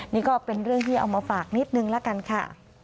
นี่ก็เป็นเรื่องที่เอามาฝากนิดนึงละกันค่ะ